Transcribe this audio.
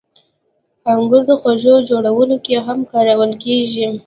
• انګور د خوږو جوړولو کې هم کارول کېږي.